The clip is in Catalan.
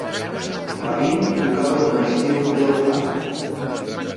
Rabin tocava en un estil bel canto.